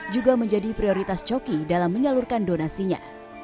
juga menjadi prioritas coki dalam menyalurkan donasinya